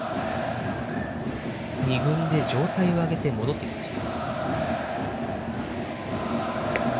２軍で状態を上げて戻ってきました。